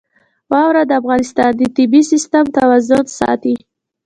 واوره د افغانستان د طبعي سیسټم توازن ساتي.